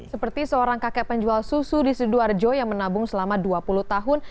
seperti seorang kakek penjual susu di sidoarjo yang menabung selama dua puluh tahun